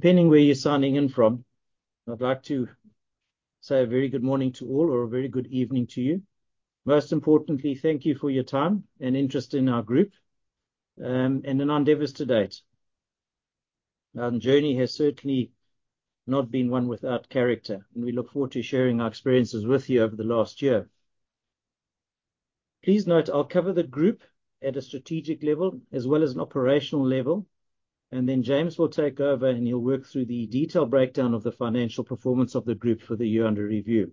Depending where you're signing in from, I'd like to say a very good morning to all, or a very good evening to you. Most importantly, thank you for your time and interest in our group, and in our endeavors to date. Our journey has certainly not been one without character, and we look forward to sharing our experiences with you over the last year. Please note, I'll cover the group at a strategic level as well as an operational level, and then James will take over, and he'll work through the detailed breakdown of the financial performance of the group for the year under review.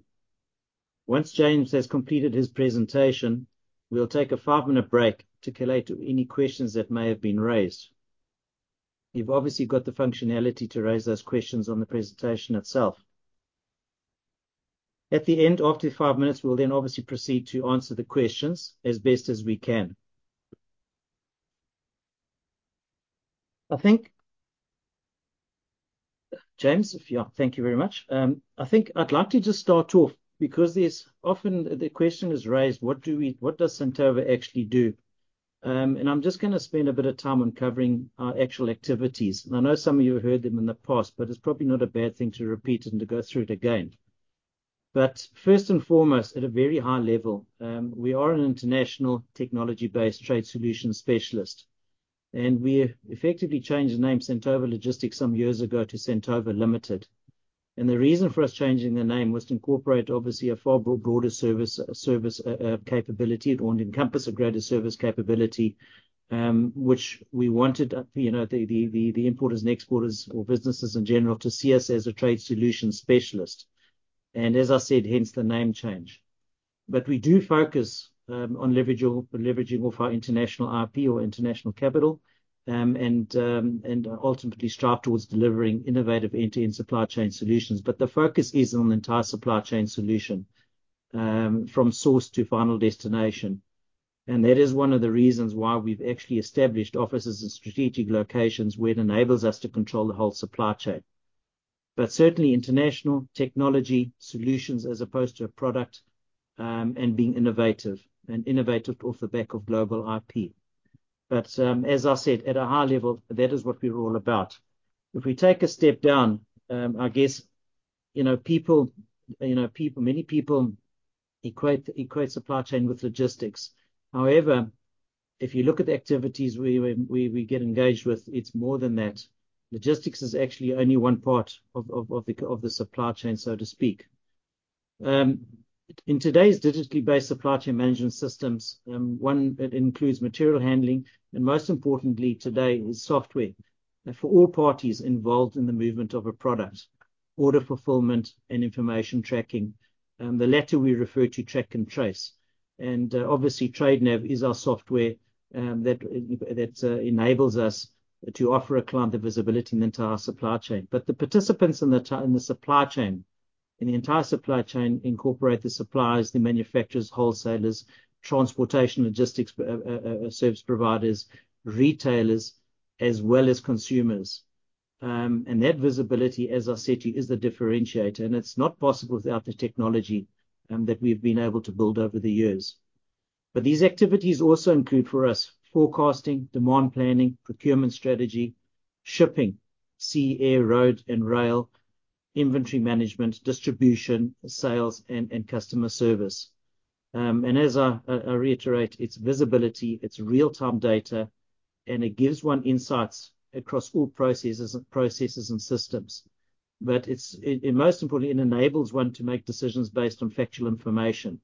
Once James has completed his presentation, we'll take a five-minute break to collate any questions that may have been raised. You've obviously got the functionality to raise those questions on the presentation itself. At the end, after the five minutes, we'll then obviously proceed to answer the questions as best as we can. I think, James, if you-- Thank you very much. I think I'd like to just start off because there's often the question is raised: what does Santova actually do? And I'm just going to spend a bit of time on covering our actual activities. And I know some of you have heard them in the past, but it's probably not a bad thing to repeat and to go through it again. But first and foremost, at a very high level, we are an international technology-based trade solution specialist, and we effectively changed the name Santova Logistics some years ago to Santova Limited. And the reason for us changing the name was to incorporate obviously a far broader service capability. It would encompass a greater service capability, which we wanted, you know, the importers and exporters or businesses in general to see us as a trade solution specialist, and as I said, hence the name change. But we do focus on leveraging of our international IP or international capital, and ultimately strive towards delivering innovative end-to-end supply chain solutions. But the focus is on the entire supply chain solution, from source to final destination. And that is one of the reasons why we've actually established offices in strategic locations, where it enables us to control the whole supply chain. But certainly international technology solutions as opposed to a product, and being innovative, and innovative off the back of global IP. But as I said, at a high level, that is what we're all about. If we take a step down, I guess, you know, people, you know, many people equate supply chain with logistics. However, if you look at the activities we get engaged with, it's more than that. Logistics is actually only one part of the supply chain, so to speak. In today's digitally based supply chain management systems, it includes material handling, and most importantly today is software for all parties involved in the movement of a product, order fulfillment and information tracking. The latter we refer to track and trace, and obviously, TradeNav is our software that enables us to offer a client the visibility in the entire supply chain. But the participants in the supply chain, in the entire supply chain, incorporate the suppliers, the manufacturers, wholesalers, transportation, logistics, service providers, retailers, as well as consumers. And that visibility, as I said to you, is the differentiator, and it's not possible without the technology that we've been able to build over the years. But these activities also include, for us, forecasting, demand planning, procurement strategy, shipping, sea, air, road, and rail, inventory management, distribution, sales, and, and customer service. And as I reiterate, it's visibility, it's real-time data, and it gives one insights across all processes, processes and systems. But it's, and, and most importantly, it enables one to make decisions based on factual information.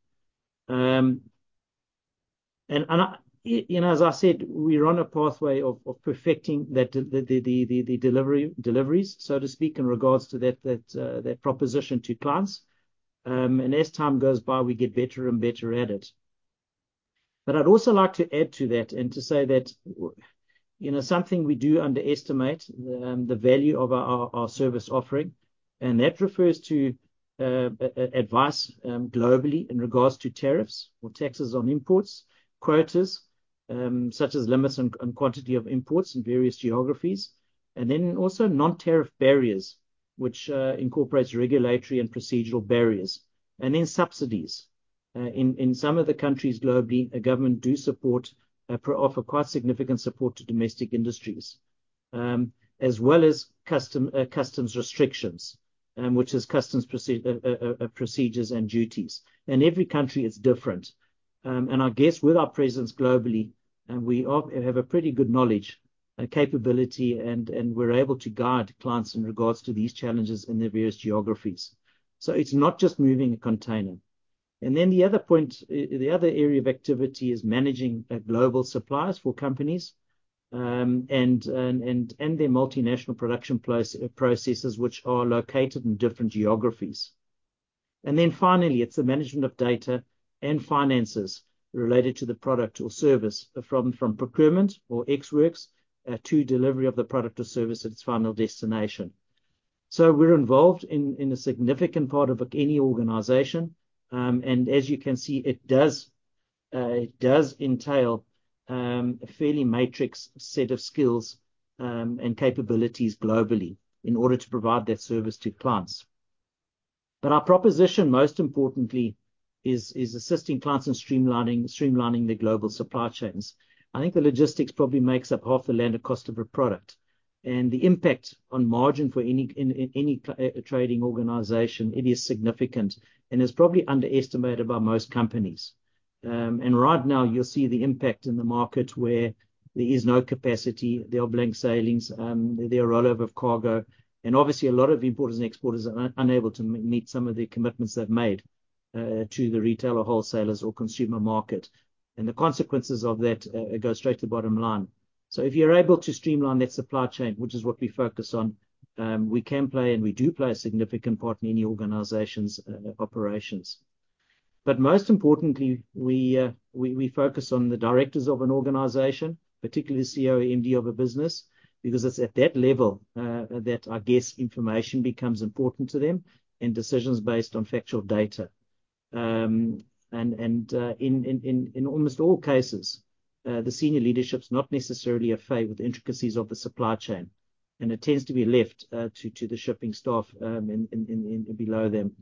You know, as I said, we're on a pathway of perfecting the deliveries, so to speak, in regards to that proposition to clients. As time goes by, we get better and better at it. But I'd also like to add to that and to say that, you know, something we do underestimate, the value of our service offering, and that refers to advice globally in regards to tariffs or taxes on imports, quotas, such as limits on quantity of imports in various geographies, and then also non-tariff barriers, which incorporates regulatory and procedural barriers, and then subsidies. In some of the countries globally, a government do support offer quite significant support to domestic industries, as well as customs restrictions, which is customs procedures and duties. Every country is different, and I guess with our presence globally, we have a pretty good knowledge and capability, and we're able to guide clients in regards to these challenges in their various geographies. So it's not just moving a container. And then the other point, the other area of activity is managing global suppliers for companies, and and their multinational production processes, which are located in different geographies. And then finally, it's the management of data and finances related to the product or service from procurement or Ex Works to delivery of the product or service at its final destination. So we're involved in a significant part of any organization, and as you can see, it does, it does entail a fairly matrix set of skills and capabilities globally in order to provide that service to clients. But our proposition, most importantly, is assisting clients in streamlining their global supply chains. I think the logistics probably makes up half the landed cost of a product, and the impact on margin for any trading organization, it is significant, and it's probably underestimated by most companies. And right now, you'll see the impact in the market where there is no capacity, there are blank sailings, and there are rollover of cargo. And obviously, a lot of importers and exporters are unable to meet some of the commitments they've made to the retailer, wholesalers, or consumer market. And the consequences of that, it goes straight to the bottom line. If you're able to streamline that supply chain, which is what we focus on, we can play and we do play a significant part in any organization's operations. But most importantly, we we focus on the directors of an organization, particularly the CEO and MD of a business, because it's at that level that I guess information becomes important to them, and decisions based on factual data. And in almost all cases, the senior leadership's not necessarily au fait with the intricacies of the supply chain, and it tends to be left to the shipping staff and below them.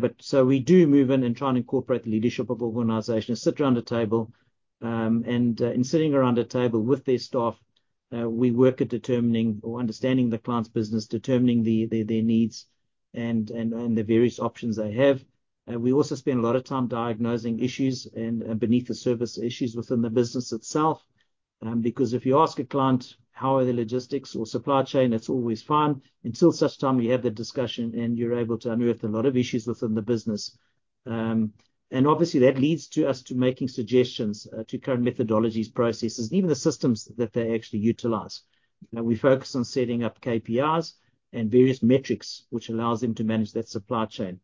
But so we do move in and try and incorporate the leadership of organizations, sit around a table, and in sitting around a table with their staff, we work at determining or understanding the client's business, determining their needs and the various options they have. We also spend a lot of time diagnosing issues and beneath the surface issues within the business itself. And because if you ask a client, how are the logistics or supply chain, it's always fine, until such time you have that discussion, and you're able to unearth a lot of issues within the business. And obviously, that leads to us to making suggestions to current methodologies, processes, and even the systems that they actually utilize. Now, we focus on setting up KPIs and various metrics, which allows them to manage that supply chain,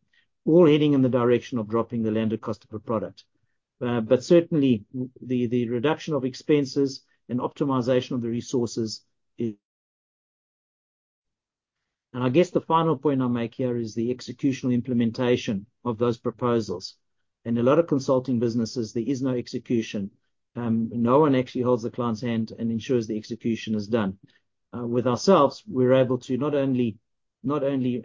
all heading in the direction of dropping the landed cost of a product. But certainly, the reduction of expenses and optimization of the resources is, and I guess the final point I'll make here is the executional implementation of those proposals. In a lot of consulting businesses, there is no execution. And no one actually holds the client's hand and ensures the execution is done. With ourselves, we're able to not only, not only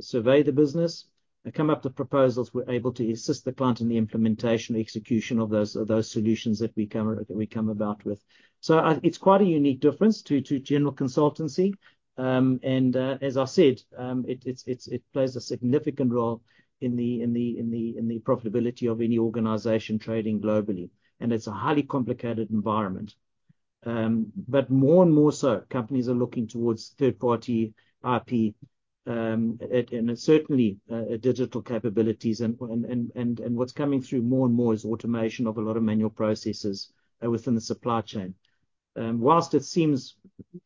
survey the business and come up with proposals, we're able to assist the client in the implementation, execution of those solutions that we come about with. So it's quite a unique difference to general consultancy. And as I said, it plays a significant role in the profitability of any organization trading globally, and it's a highly complicated environment. But more and more so, companies are looking towards third-party IP, and what's coming through more and more is automation of a lot of manual processes within the supply chain. While it seems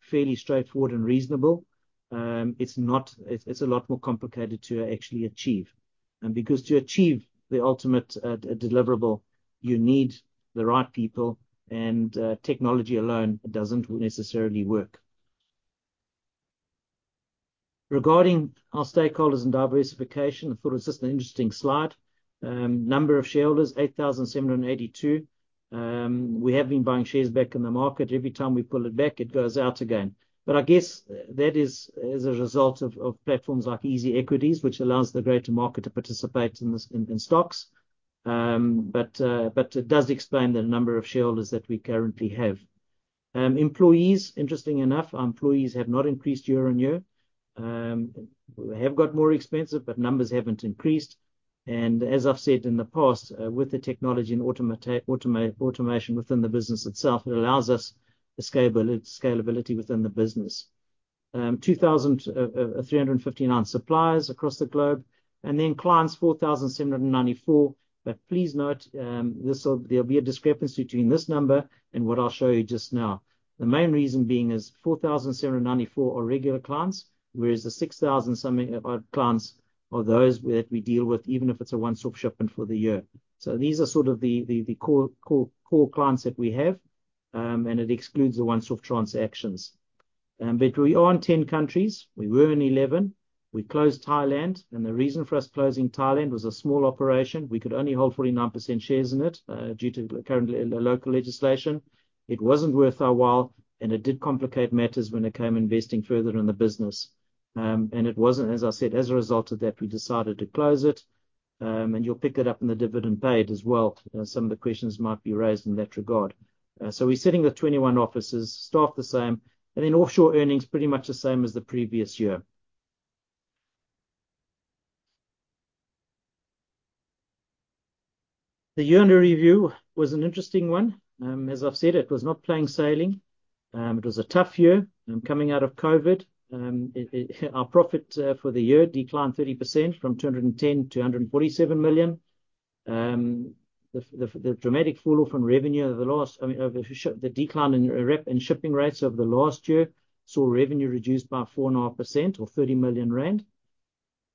fairly straightforward and reasonable, it's not. It's a lot more complicated to actually achieve. And because to achieve the ultimate deliverable, you need the right people, and technology alone doesn't necessarily work. Regarding our stakeholders and diversification, I thought it's just an interesting slide. Number of shareholders, 8,782. We have been buying shares back in the market. Every time we pull it back, it goes out again. But I guess that is as a result of platforms like EasyEquities, which allows the greater market to participate in this, in stocks. But it does explain the number of shareholders that we currently have. Employees, interestingly enough, our employees have not increased year-on-year. We have got more expensive, but numbers haven't increased. And as I've said in the past, with the technology and automation within the business itself, it allows us the scalability within the business. 2,359 suppliers across the globe, and then clients, 4,794. But please note, there'll be a discrepancy between this number and what I'll show you just now. The main reason being is 4,794 are regular clients, whereas the 6,000-something clients are those that we deal with, even if it's a one-stop shopping for the year. So these are sort of the core clients that we have, and it excludes the one-stop transactions. But we are in 10 countries. We were in 11. We closed Thailand, and the reason for us closing Thailand was a small operation. We could only hold 49% shares in it, due to the current local legislation. It wasn't worth our while, and it did complicate matters when it came investing further in the business. And it wasn't, as I said, as a result of that, we decided to close it. And you'll pick it up in the dividend paid as well. Some of the questions might be raised in that regard. So we're sitting with 21 offices, staff the same, and then offshore earnings, pretty much the same as the previous year. The year under review was an interesting one. As I've said, it was not plain sailing. It was a tough year. Coming out of COVID, it. Our profit for the year declined 30% from 210 million to 147 million. The dramatic fall-off in revenue over the last year, I mean, the decline in shipping rates over the last year, saw revenue reduced by 4.5%, or 30 million rand.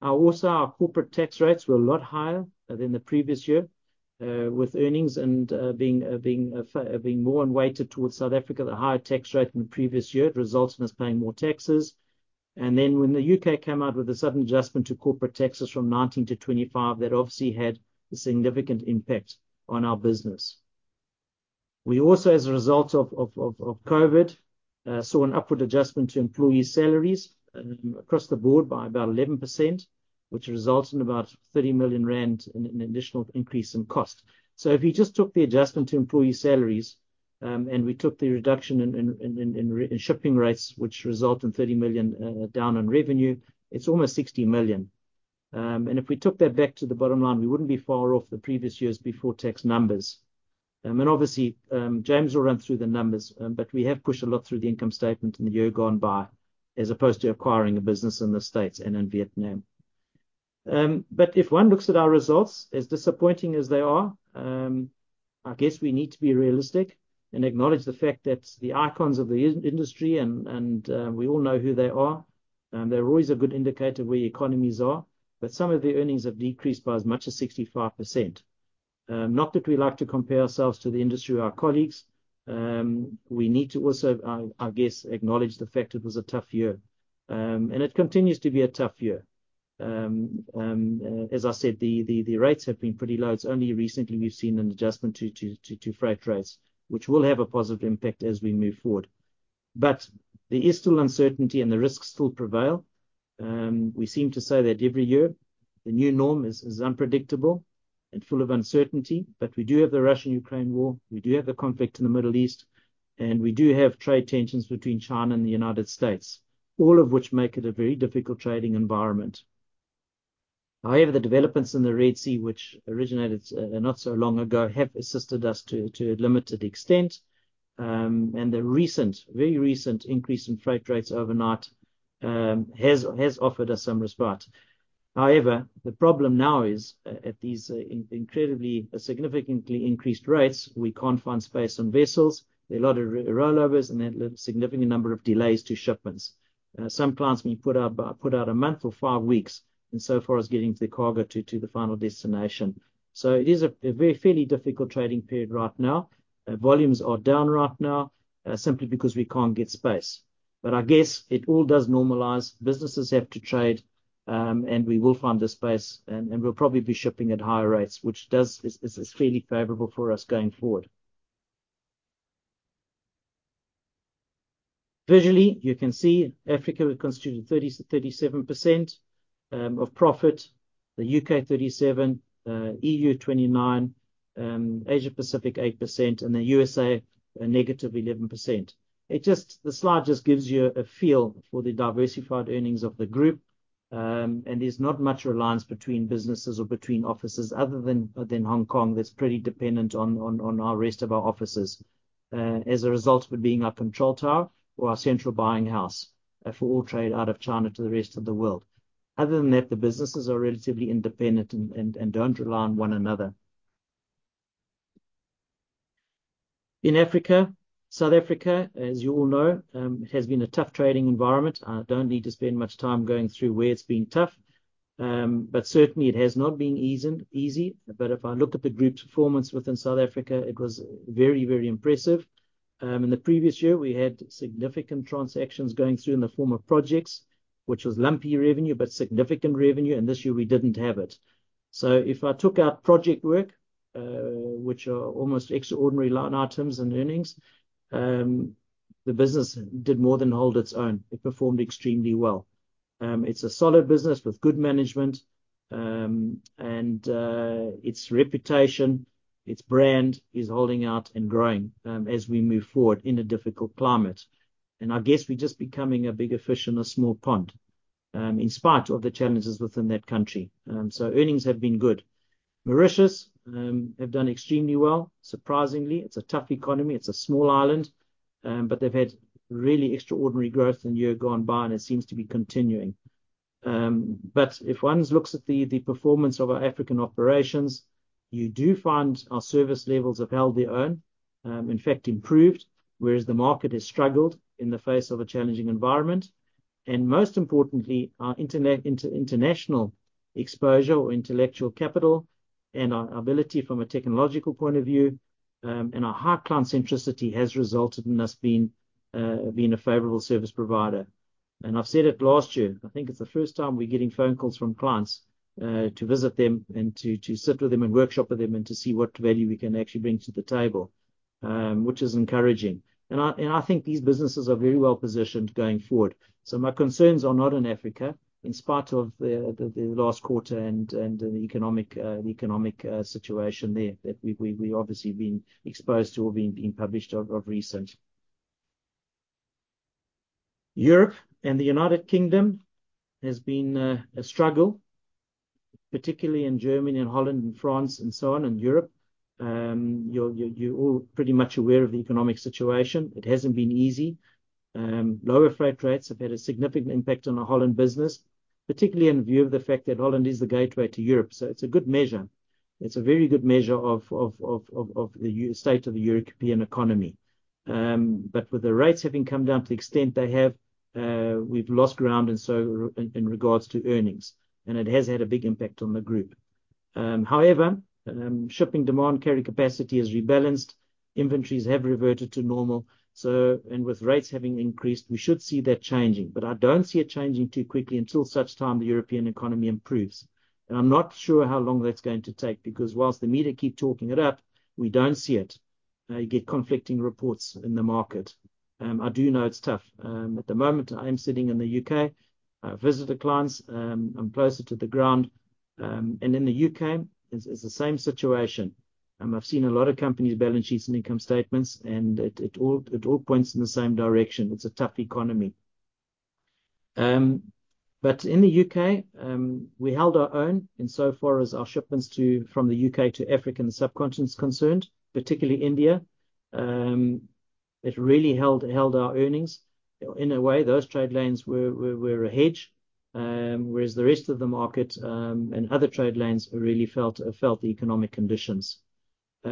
Also, our corporate tax rates were a lot higher than the previous year, with earnings being more weighted towards South Africa, the higher tax rate than the previous year, it resulted in us paying more taxes. And then, when the U.K. came out with a sudden adjustment to corporate taxes from 19% to 25%, that obviously had a significant impact on our business. We also, as a result of COVID, saw an upward adjustment to employee salaries across the board by about 11%, which results in about 30 million rand in additional increase in cost. So if you just took the adjustment to employee salaries and we took the reduction in shipping rates, which result in 30 million down on revenue, it's almost 60 million. And if we took that back to the bottom line, we wouldn't be far off the previous years' before-tax numbers. And obviously, James will run through the numbers, but we have pushed a lot through the income statement in the year gone by, as opposed to acquiring a business in the States and in Vietnam. And but if one looks at our results, as disappointing as they are, I guess we need to be realistic and acknowledge the fact that the icons of the industry, and and we all know who they are, they're always a good indicator of where the economies are. But some of the earnings have decreased by as much as 65%. Not that we like to compare ourselves to the industry or our colleagues, we need to also, I guess, acknowledge the fact it was a tough year. And it continues to be a tough year. And and as I said, the rates have been pretty low. It's only recently we've seen an adjustment to freight rates, which will have a positive impact as we move forward. But there is still uncertainty, and the risks still prevail. We seem to say that every year, the new norm is unpredictable and full of uncertainty, but we do have the Russia-Ukraine war, we do have the conflict in the Middle East, and we do have trade tensions between China and the United States, all of which make it a very difficult trading environment. However, the developments in the Red Sea, which originated not so long ago, have assisted us to a limited extent. And and the recent, very recent increase in freight rates overnight has offered us some respite. However, the problem now is at these incredibly, significantly increased rates, we can't find space on vessels. There are a lot of rollovers and a significant number of delays to shipments. And some plants may be put out by a month or five weeks, insofar as getting the cargo to the final destination. So it is a very fairly difficult trading period right now. Volumes are down right now, simply because we can't get space. But I guess it all does normalize. Businesses have to trade, and we will find the space, and we'll probably be shipping at higher rates, which is fairly favorable for us going forward. Visually, you can see Africa constituted 30%-37% of profit; the U.K., 37%; EU, 29%; Asia Pacific, 8%; and the USA, a negative -11%. It just, the slide just gives you a feel for the diversified earnings of the group, and there's not much reliance between businesses or between offices other than Hong Kong, that's pretty dependent on on the rest of our offices. As a result of it being our control tower or our central buying house for all trade out of China to the rest of the world. Other than that, the businesses are relatively independent and don't rely on one another. In Africa, South Africa, as you all know, has been a tough trading environment. I don't need to spend much time going through where it's been tough, but certainly it has not been easy, easy. But if I look at the group's performance within South Africa, it was very, very impressive. And in the previous year, we had significant transactions going through in the form of projects, which was lumpy revenue, but significant revenue, and this year we didn't have it. So if I took out project work, which are almost extraordinary line items and earnings, the business did more than hold its own. It performed extremely well. It's a solid business with good management, and its reputation, its brand is holding out and growing, and as we move forward in a difficult climate. And I guess we're just becoming a bigger fish in a small pond, in spite of the challenges within that country. So earnings have been good. Mauritius have done extremely well. Surprisingly, it's a tough economy. It's a small island, but they've had really extraordinary growth in the year gone by, and it seems to be continuing. But if one looks at the performance of our African operations, you do find our service levels have held their own, in fact, improved, whereas the market has struggled in the face of a challenging environment. And most importantly, our international exposure or intellectual capital and our ability from a technological point of view, and our high client centricity has resulted in us being a favorable service provider. I've said it last year, I think it's the first time we're getting phone calls from clients to visit them and to sit with them and workshop with them, and to see what value we can actually bring to the table, which is encouraging. And I think these businesses are very well positioned going forward. So my concerns are not in Africa, in spite of the last quarter and and the economic, economic situation there that we've obviously been exposed to or been published of recent. Europe and the United Kingdom has been a struggle, particularly in Germany and Holland and France and so on in Europe. You're all pretty much aware of the economic situation. It hasn't been easy. Lower freight rates have had a significant impact on our Holland business, particularly in view of the fact that Holland is the gateway to Europe. So it's a good measure. It's a very good measure of of of the state of the European economy. But with the rates having come down to the extent they have, we've lost ground, and so in regards to earnings, and it has had a big impact on the group. And however, shipping demand, carrying capacity has rebalanced, inventories have reverted to normal, so and with rates having increased, we should see that changing. But I don't see it changing too quickly until such time the European economy improves. And I'm not sure how long that's going to take, because whilst the media keep talking it up, we don't see it. I get conflicting reports in the market. I do know it's tough. At the moment, I'm sitting in the U.K. I visit the clients. I'm closer to the ground. And in the U.K., it's the same situation. I've seen a lot of companies' balance sheets and income statements, and it, it all, it all points in the same direction. It's a tough economy. But in the U.K,. we held our own insofar as our shipments from the U.K. to Africa and the subcontinent is concerned, particularly India. It really held, held our earnings. In a way, those trade lanes were, were, were a hedge, whereas the rest of the market and other trade lanes really felt, felt the economic conditions.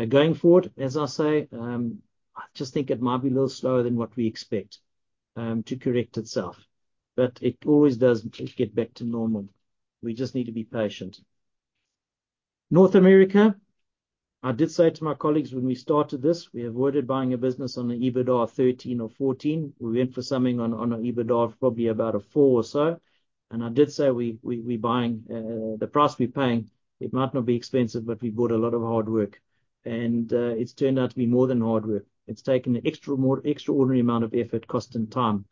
Going forward, as I say, I just think it might be a little slower than what we expect to correct itself, but it always does get back to normal. We just need to be patient. North America, I did say to my colleagues when we started this, we avoided buying a business on an EBITDA of 13 or 14. We went for something on an EBITDA of probably about a 4 or so, and I did say we buying. The price we're paying, it might not be expensive, but we bought a lot of hard work. And it's turned out to be more than hard work. It's taken an extra more extraordinary amount of effort, cost, and time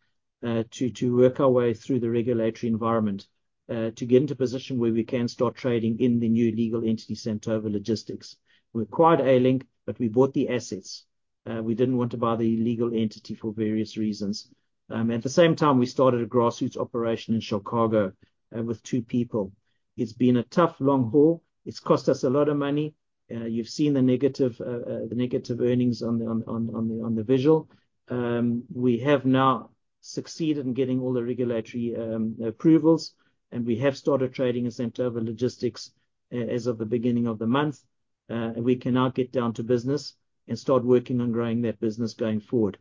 to work our way through the regulatory environment to get into a position where we can start trading in the new legal entity, Santova Logistics. We acquired A-Link, but we bought the assets. And we didn't want to buy the legal entity for various reasons. At the same time, we started a grassroots operation in Chicago with 2 people. It's been a tough, long haul. It's cost us a lot of money. You've seen the negative earnings on on on the visual. We have now succeeded in getting all the regulatory approvals, and we have started trading as Santova Logistics as of the beginning of the month. We can now get down to business and start working on growing that business going forward.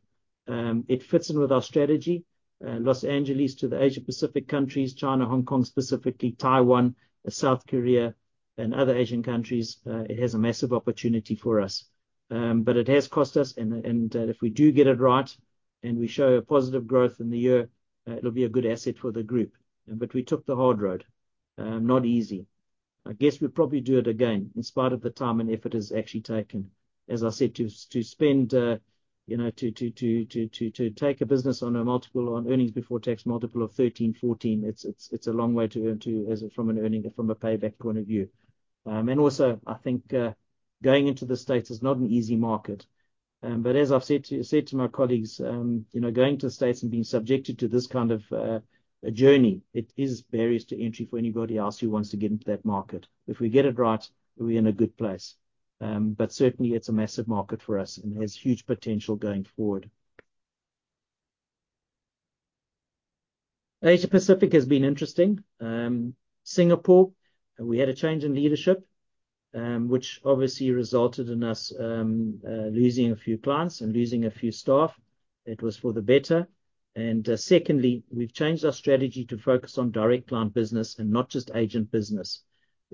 It fits in with our strategy, Los Angeles to the Asia Pacific countries, China, Hong Kong, specifically Taiwan, South Korea, and other Asian countries. It has a massive opportunity for us. But it has cost us, and if we do get it right, and we show a positive growth in the year, it'll be a good asset for the group. But we took the hard road. Not easy. I guess we'd probably do it again, in spite of the time and effort it's actually taken. As I said, to spend, you know, to take a business on a multiple, on earnings before tax, multiple of 13, 14, it's a long way to go from a payback point of view. And also, I think, going into the States is not an easy market. But as I've said to my colleagues, you know, going to the States and being subjected to this kind of a journey, it is barriers to entry for anybody else who wants to get into that market. If we get it right, we're in a good place. But certainly it's a massive market for us and has huge potential going forward. Asia Pacific has been interesting. Singapore, we had a change in leadership, which obviously resulted in us losing a few clients and losing a few staff. It was for the better. And secondly, we've changed our strategy to focus on direct client business and not just agent business.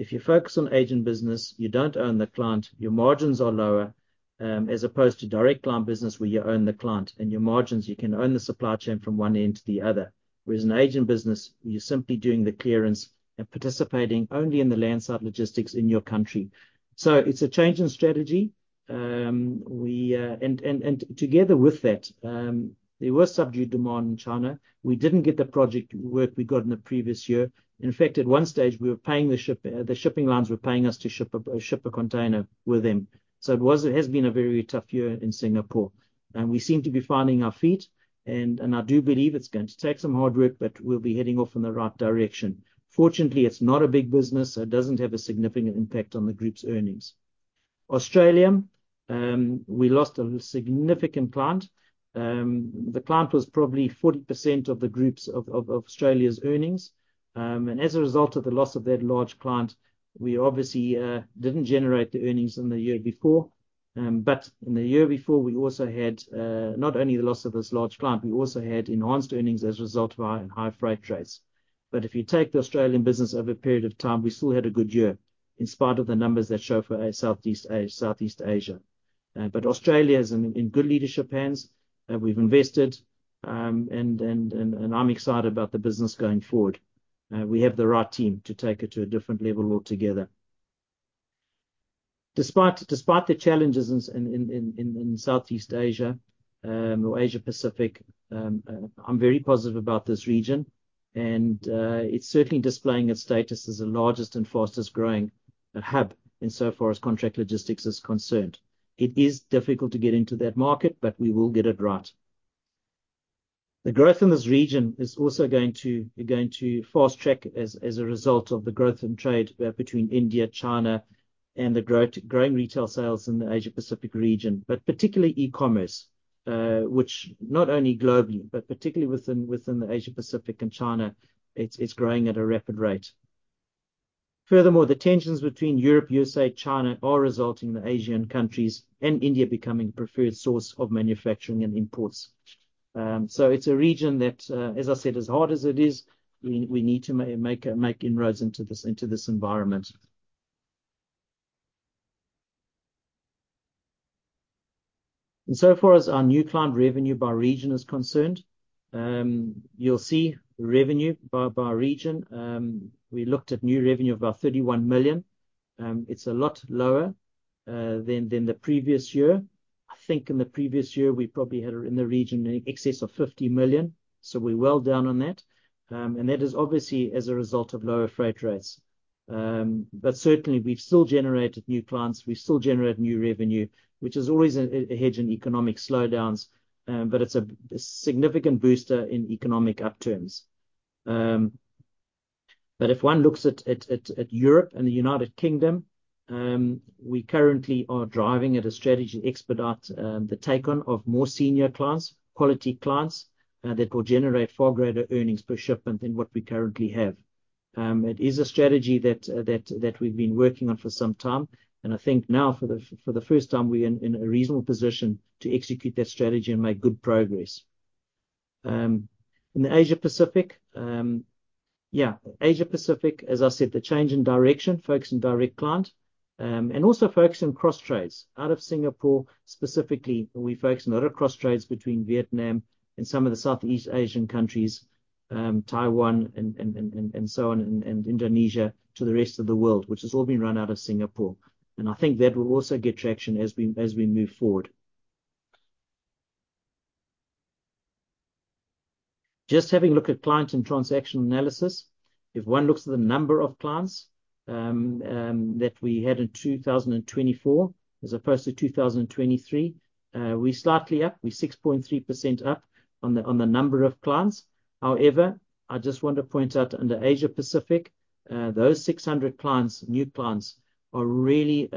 If you focus on agent business, you don't own the client, your margins are lower, as opposed to direct client business, where you own the client, and your margins, you can own the supply chain from one end to the other. Whereas an agent business, you're simply doing the clearance and participating only in the landside logistics in your country. So it's a change in strategy. And together with that, there was subdued demand in China. We didn't get the project work we got in the previous year. In fact, at one stage, the shipping lines were paying us to ship a container with them. So it was, it has been a very tough year in Singapore, and we seem to be finding our feet, and I do believe it's going to take some hard work, but we'll be heading off in the right direction. Fortunately, it's not a big business, so it doesn't have a significant impact on the group's earnings. Australia, we lost a significant client. The client was probably 40% of the group's of Australia's earnings. And as a result of the loss of that large client, we obviously didn't generate the earnings in the year before. But in the year before, we also had not only the loss of this large client, we also had enhanced earnings as a result of our high freight rates. But if you take the Australian business over a period of time, we still had a good year, in spite of the numbers that show for Southeast Asia. But Australia is in good leadership hands, and we've invested, and I'm excited about the business going forward. And we have the right team to take it to a different level altogether. Despite, despite the challenges in Southeast Asia, or Asia Pacific, I'm very positive about this region, and it's certainly displaying its status as the largest and fastest-growing hub insofar as contract logistics is concerned. It is difficult to get into that market, but we will get it right. The growth in this region is also going to, going to fast-track as a result of the growth in trade between India, China, and the growing retail sales in the Asia Pacific region, but particularly e-commerce, which not only globally, but particularly within the Asia Pacific and China, it's growing at a rapid rate. Furthermore, the tensions between Europe, USA, China are resulting in the Asian countries and India becoming preferred source of manufacturing and imports. So it's a region that, as I said, as hard as it is, we need to make inroads into this environment. And so far as our new client revenue by region is concerned, you'll see revenue by by region. We looked at new revenue of about 31 million. It's a lot lower than the previous year. I think in the previous year, we probably had it in the region in excess of 50 million, so we're well down on that. That is obviously as a result of lower freight rates. Certainly we've still generated new clients, we still generate new revenue, which is always a hedge in economic slowdowns, but it's a significant booster in economic upturns. If one looks at Europe and the United Kingdom, we currently are driving at a strategy to expedite the take-on of more senior clients, quality clients, that will generate far greater earnings per shipment than what we currently have. It is a strategy that we've been working on for some time, and I think now for the first time, we're in a reasonable position to execute that strategy and make good progress. And in the Asia Pacific, yeah Asia Pacific, as I said, the change in direction, focus on direct client, and also focus on cross trades. Out of Singapore specifically, we focus on a lot of cross trades between Vietnam and some of the Southeast Asian countries, Taiwan, and so on, and Indonesia to the rest of the world, which has all been run out of Singapore. And I think that will also get traction as we move forward. Just having a look at client and transactional analysis. If one looks at the number of clients that we had in 2024 as opposed to 2023, we're slightly up. We're 6.3% up on the number of clients. However, I just want to point out under Asia Pacific, those 600 clients, new clients, are really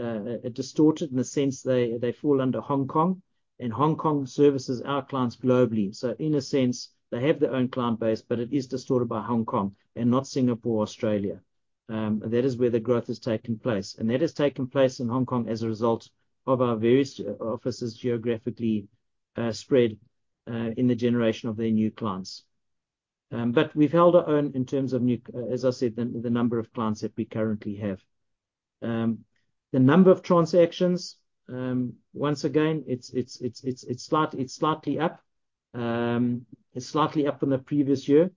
distorted in the sense they fall under Hong Kong, and Hong Kong services our clients globally. So in a sense, they have their own client base, but it is distorted by Hong Kong and not Singapore or Australia. That is where the growth has taken place, and that has taken place in Hong Kong as a result of our various offices geographically spread in the generation of their new clients. But we've held our own in terms of new, as I said, the number of clients that we currently have. The number of transactions, once again, it's slightly up. It's slightly up from the previous year,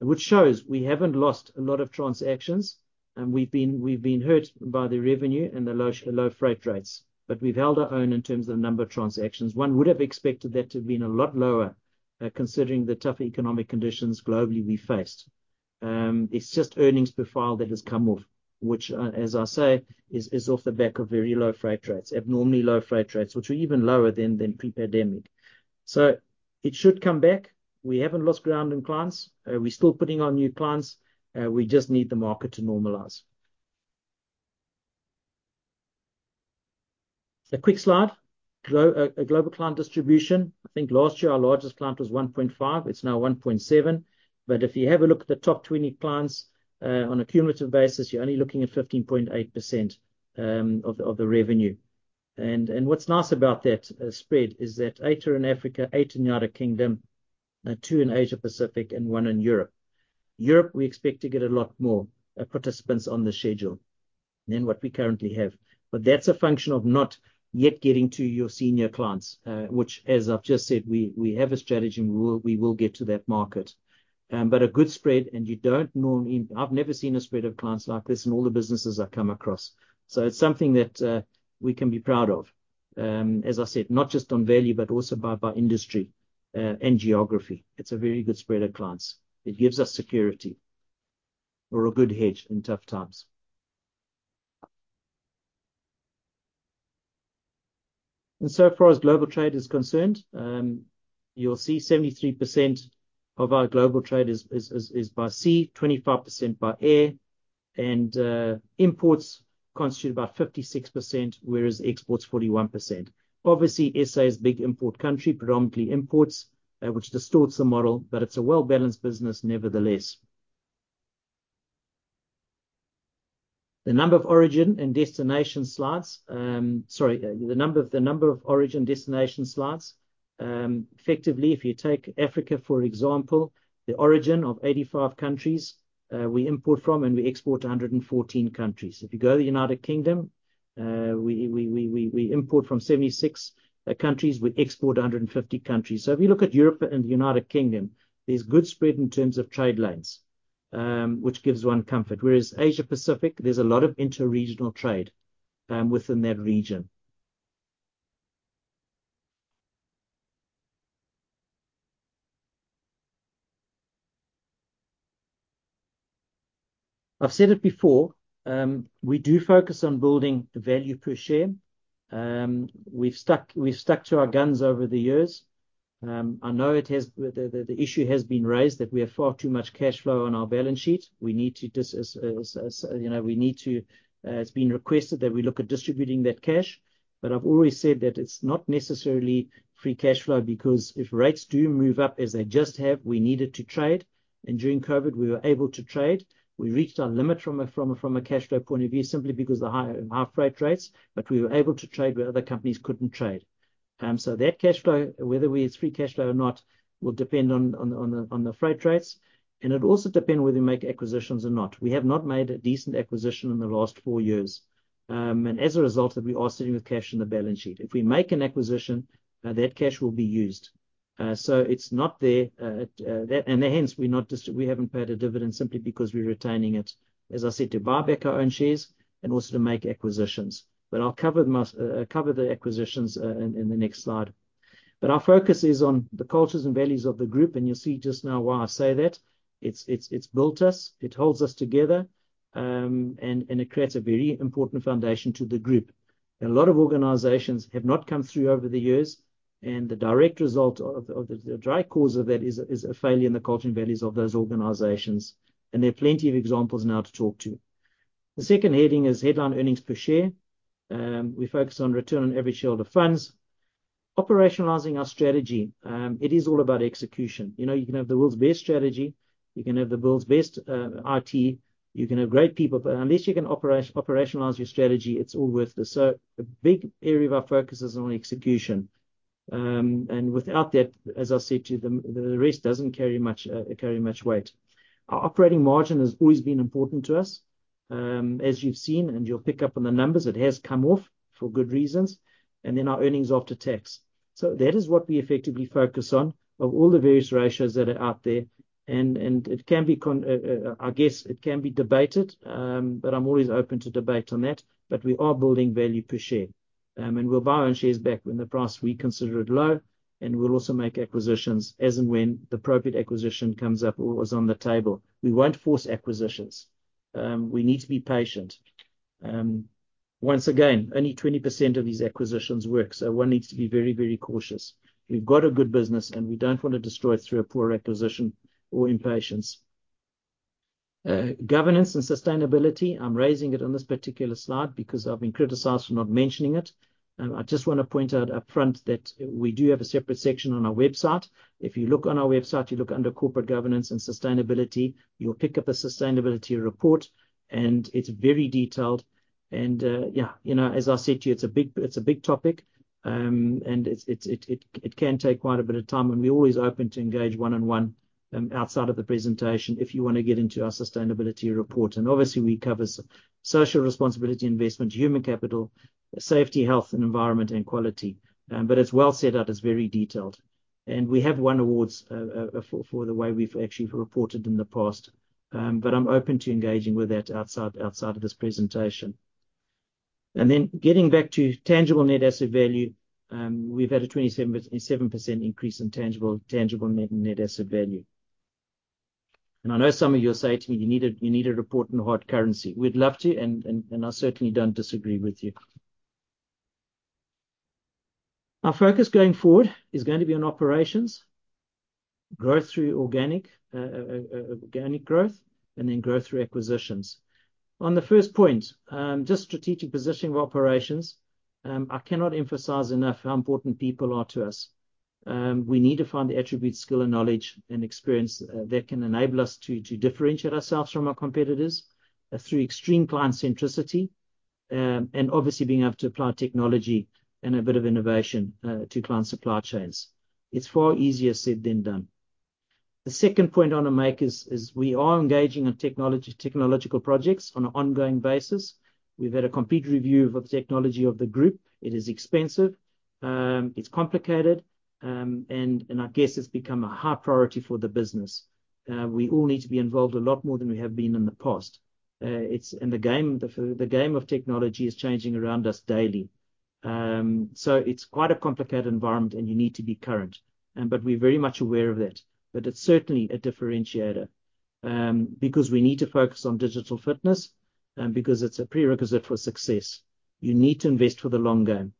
which shows we haven't lost a lot of transactions, and we've been, we've been hurt by the revenue and the low freight rates. But we've held our own in terms of the number of transactions. One would have expected that to have been a lot lower, considering the tough economic conditions globally we faced. It's just earnings per file that has come off, which, as I say, is off the back of very low freight rates, abnormally low freight rates, which are even lower than pre-pandemic. So it should come back. We haven't lost ground in clients. We're still putting on new clients. And we just need the market to normalize. A quick slide. A global client distribution. I think last year our largest client was 1.5, it's now 1.7. But if you have a look at the top 20 clients, on a cumulative basis, you're only looking at 15.8% of the revenue. And what's nice about that spread is that eight are in Africa, eight in United Kingdom, two in Asia Pacific, and one in Europe. Europe, we expect to get a lot more participants on the schedule than what we currently have, but that's a function of not yet getting to your senior clients. Which, as I've just said, we have a strategy, and we will get to that market. But a good spread, and you don't normally. I've never seen a spread of clients like this in all the businesses I've come across. So it's something that we can be proud of. And as I said, not just on value, but also by industry and geography. It's a very good spread of clients. It gives us security. We're a good hedge in tough times. And so far as global trade is concerned, you'll see 73% of our global trade is by sea, 25% by air, and imports constitute about 56%, whereas exports 41%. Obviously, SA is a big import country, predominantly imports, which distorts the model, but it's a well-balanced business nevertheless. The number of origin and destination slides. Sorry, the number of origin and destination countries, effectively, if you take Africa, for example, the origin of 85 countries we import from, and we export to 114 countries. If you go to the United Kingdom, we import from 76 countries, we export to 150 countries. So if you look at Europe and the United Kingdom, there's good spread in terms of trade lanes, which gives one comfort. Whereas Asia Pacific, there's a lot of interregional trade within that region. I've said it before, we do focus on building the value per share. We've stuck, we've stuck to our guns over the years. I know it has, the issue has been raised that we have far too much cash on our balance sheet. We need to, you know, we need to, it's been requested that we look at distributing that cash. But I've always said that it's not necessarily free cash flow, because if rates do move up, as they just have, we need it to trade, and during COVID, we were able to trade. We reached our limit from a cash flow point of view, simply because the high freight rates, but we were able to trade where other companies couldn't trade. And so that cash flow, whether it's free cash flow or not, will depend on the freight rates, and it will also depend whether we make acquisitions or not. We have not made a decent acquisition in the last four years. And as a result of that, we are sitting with cash on the balance sheet. If we make an acquisition, that cash will be used. So it's not there, and hence we're not just—we haven't paid a dividend simply because we're retaining it, as I said, to buy back our own shares and also to make acquisitions. But I'll cover the acquisitions in the next slide. But our focus is on the cultures and values of the group, and you'll see just now why I say that. It's built us, it holds us together, and it creates a very important foundation to the group. A lot of organizations have not come through over the years, and the direct result of the direct cause of that is a failure in the culture and values of those organizations, and there are plenty of examples now to talk to. The second heading is headline earnings per share. We focus on return on average shareholder funds. Operationalizing our strategy, it is all about execution. You know, you can have the world's best strategy, you can have the world's best IT, you can have great people, but unless you can operationalize your strategy, it's all worthless. So a big area of our focus is on execution. And without that, as I said to you, the rest doesn't carry, carry much weight. Our operating margin has always been important to us. And as you've seen, and you'll pick up on the numbers, it has come off for good reasons, and then our earnings after tax. So that is what we effectively focus on of all the various ratios that are out there, and it can be debated. I guess it can be debated, but I'm always open to debate on that, but we are building value per share. And we'll buy our own shares back when the price we consider it low, and we'll also make acquisitions as and when the appropriate acquisition comes up or is on the table. We won't force acquisitions. We need to be patient. Once again, only 20% of these acquisitions work, so one needs to be very, very cautious. We've got a good business, and we don't want to destroy it through a poor acquisition or impatience. Governance and sustainability, I'm raising it on this particular slide because I've been criticized for not mentioning it. And I just want to point out upfront that we do have a separate section on our website. If you look on our website, you look under Corporate Governance and Sustainability, you'll pick up a sustainability report, and it's very detailed. And yeah, you know, as I said to you, it's a big, it's a big topic, and it can take quite a bit of time, and we're always open to engage one-on-one outside of the presentation if you want to get into our sustainability report. And obviously, we cover social responsibility, investment, human capital, safety, health, and environment, and quality. But it's well set out, it's very detailed. We have won awards for the way we've actually reported in the past. But I'm open to engaging with that outside of this presentation. And then getting back to Tangible Net Asset Value, we've had a 27.7% increase in Tangible Net Asset Value. I know some of you will say to me, "You need a report in hard currency." We'd love to, and I certainly don't disagree with you. Our focus going forward is going to be on operations, growth through organic growth, and then growth through acquisitions. On the first point, just strategic positioning of operations, I cannot emphasize enough how important people are to us. We need to find the attribute, skill and knowledge, and experience, that can enable us to, to differentiate ourselves from our competitors, through extreme client centricity, and obviously being able to apply technology and a bit of innovation, to client supply chains. It's far easier said than done. The second point I want to make is, is we are engaging in technology, technological projects on an ongoing basis. We've had a complete review of the technology of the group. It is expensive, it's complicated, and, and I guess it's become a high priority for the business. We all need to be involved a lot more than we have been in the past. And the game, the, the game of technology is changing around us daily. So it's quite a complicated environment, and you need to be current, but we're very much aware of that. But it's certainly a differentiator, and because we need to focus on digital fitness and because it's a prerequisite for success. You need to invest for the long game.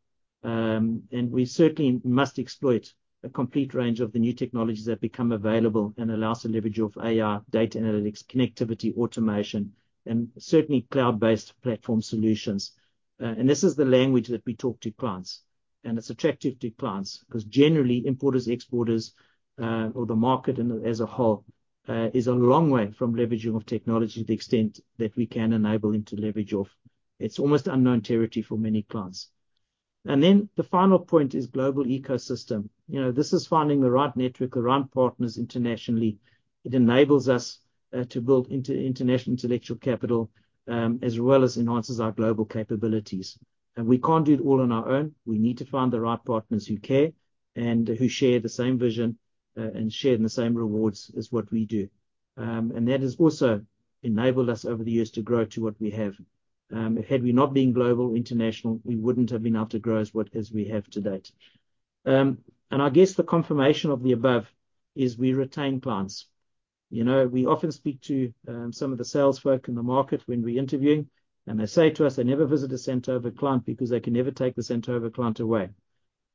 And we certainly must exploit a complete range of the new technologies that become available and allows the leverage of AI, data analytics, connectivity, automation, and certainly cloud-based platform solutions. And this is the language that we talk to clients, and it's attractive to clients, because generally, importers, exporters, or the market as a whole, is a long way from leveraging of technology to the extent that we can enable them to leverage off. It's almost unknown territory for many clients. And then the final point is global ecosystem. You know, this is finding the right network, the right partners internationally. It enables us to build international intellectual capital, as well as enhances our global capabilities. And we can't do it all on our own. We need to find the right partners who care and who share the same vision, and share in the same rewards as what we do. And that has also enabled us over the years to grow to what we have. Had we not been global, international, we wouldn't have been able to grow as what, as we have to date. I guess the confirmation of the above is we retain clients. You know, we often speak to some of the sales folk in the market when we're interviewing, and they say to us, "They never visit a Santova client because they can never take the Santova client away."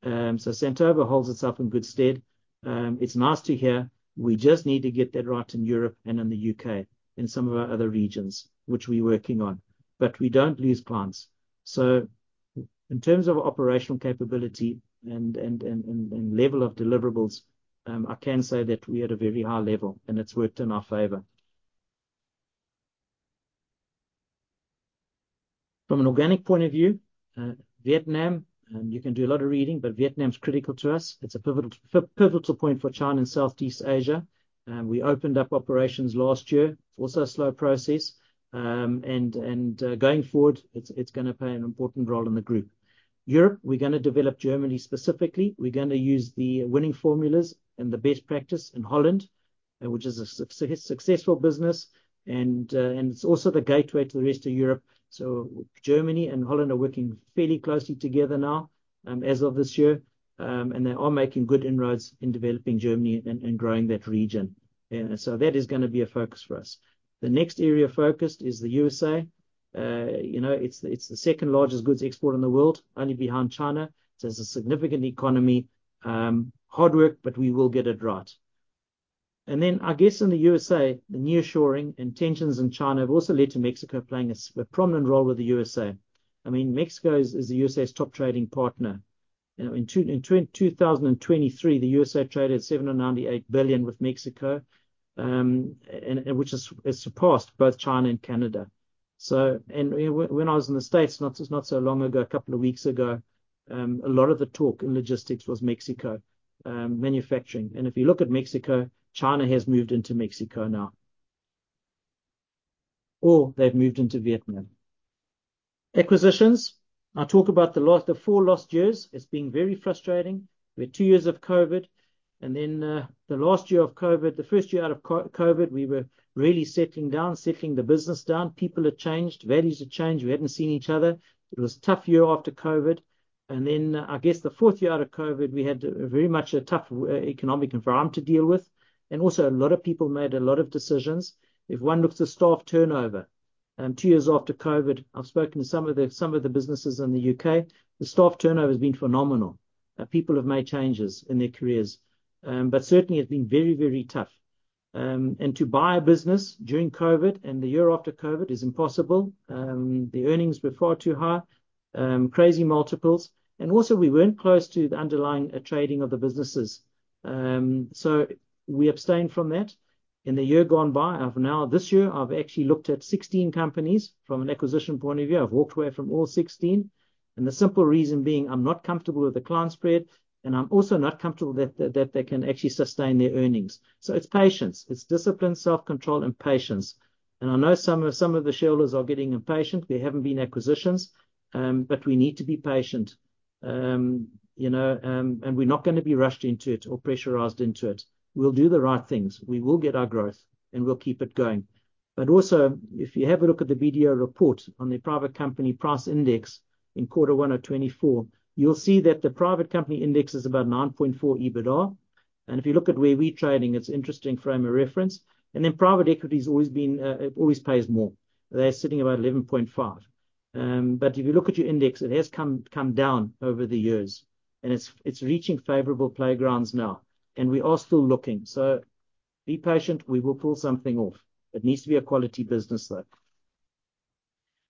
So Santova holds itself in good stead. It's nice to hear. We just need to get that right in Europe and in the UK, and some of our other regions, which we're working on. But we don't lose clients. So in terms of operational capability and level of deliverables, I can say that we are at a very high level, and it's worked in our favor. From an organic point of view, Vietnam, you can do a lot of reading, but Vietnam is critical to us. It's a pivotal point for China and Southeast Asia, and we opened up operations last year. It's also a slow process, and going forward, it's gonna play an important role in the group. Europe, we're gonna develop Germany specifically. We're gonna use the winning formulas and the best practice in Holland, which is a successful business, and it's also the gateway to the rest of Europe. So Germany and Holland are working fairly closely together now, as of this year. And they are making good inroads in developing Germany and growing that region. And so that is gonna be a focus for us. The next area of focus is the USA. You know, it's the second-largest goods exporter in the world, only behind China. So it's a significant economy. Hard work, but we will get it right. And then, I guess, in the USA, the nearshoring and tensions in China have also led to Mexico playing a prominent role with the USA. I mean, Mexico is the USA's top trading partner. You know, in 2023, the USA traded $798 billion with Mexico, and which has surpassed both China and Canada. So. And when I was in the States, not so long ago, a couple of weeks ago, a lot of the talk in logistics was Mexico manufacturing. And if you look at Mexico, China has moved into Mexico now, or they've moved into Vietnam. Acquisitions. I talk about the lost, the four lost years. It's been very frustrating, with two years of COVID. And then, the last year of COVID, the first year out of COVID, we were really settling down, settling the business down. People had changed, values had changed. We hadn't seen each other. It was a tough year after COVID. And then, I guess, the fourth year out of COVID, we had very much a tough economic environment to deal with, and also a lot of people made a lot of decisions. If one looks at staff turnover, two years after COVID, I've spoken to some of the businesses in the UK, the staff turnover has been phenomenal. People have made changes in their careers. But certainly, it's been very, very tough. And to buy a business during COVID and the year after COVID is impossible. The earnings were far too high, crazy multiples, and also, we weren't close to the underlying, trading of the businesses. And so we abstained from that. In the year gone by, up now, this year, I've actually looked at 16 companies from an acquisition point of view. I've walked away from all 16, and the simple reason being, I'm not comfortable with the client spread, and I'm also not comfortable that the, that they can actually sustain their earnings. So it's patience. It's discipline, self-control, and patience. And I know some of, some of the shareholders are getting impatient. There haven't been acquisitions, but we need to be patient. You know, and we're not gonna be rushed into it or pressurized into it. We'll do the right things. We will get our growth, and we'll keep it going. But also, if you have a look at the BDO report on the Private Company Price Index in quarter one of 2024, you'll see that the private company index is about 9.4 EBITDA. And if you look at where we're trading, it's interesting frame of reference. And then private equity's always been, it always pays more. They're sitting about 11.5. But if you look at your index, it has come down over the years, and it's reaching favorable playgrounds now, and we are still looking. So be patient, we will pull something off. It needs to be a quality business, though.